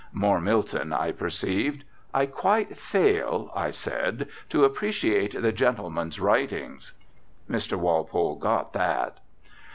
More Milton, I perceived. "I quite fail," I said, "to appreciate the gentleman's writings." Mr. Walpole got that.